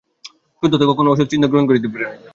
শুদ্ধাত্মা কখনও অসৎ চিন্তা গ্রহণ করিবে না।